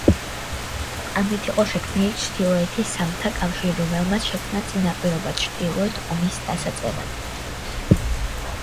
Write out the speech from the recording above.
ამით იყო შექმნილი ჩრდილოეთის სამთა კავშირი, რომელმაც შექმნა წინაპირობა ჩრდილოეთ ომის დასაწყებად.